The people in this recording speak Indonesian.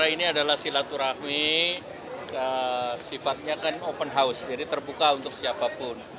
ini adalah silaturahmi sifatnya kan open house jadi terbuka untuk siapapun